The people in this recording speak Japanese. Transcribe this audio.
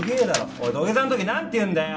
おい土下座の時なんて言うんだよ！？